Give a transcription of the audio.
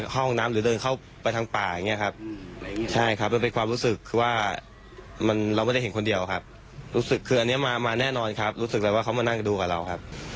ห้องน้ำหรือเดินเข้าไปทางป่าอย่างนี้ครับใช่ครับมันเป็นความรู้สึกคือว่าเราไม่ได้เห็นคนเดียวครับรู้สึกคืออันนี้มามาแน่นอนครับรู้สึกเลยว่าเขามานั่งดูกับเราครับ